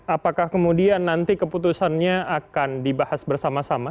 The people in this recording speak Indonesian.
apakah kemudian nanti keputusannya akan dibahas bersama sama